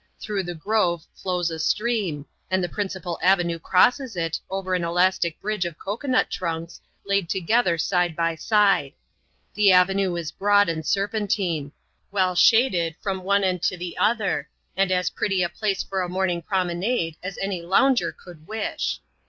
Through the grove flows a stream; and the principal avenue crosses it, over an elastic bridge of cocoa nut trunks, laid together side by [side. The avenue is broad and serpentine ; well shaded, £rom one end to the other ; and as pretty a place for a morning promenade as any lounger could wish.